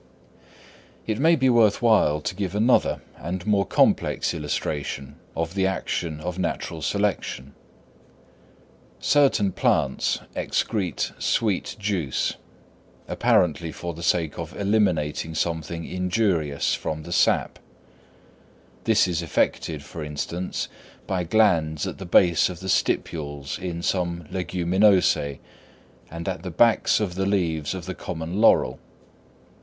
It may be worth while to give another and more complex illustration of the action of natural selection. Certain plants excrete sweet juice, apparently for the sake of eliminating something injurious from the sap: this is effected, for instance, by glands at the base of the stipules in some Leguminosæ, and at the backs of the leaves of the common laurel.